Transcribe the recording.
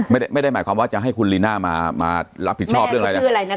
ไม่ได้ไม่ได้หมายความว่าจะให้คุณลีน่ามามารับผิดชอบเรื่องอะไรชื่ออะไรนะ